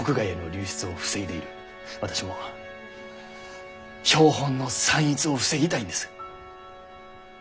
私も標本の散逸を防ぎたいんです。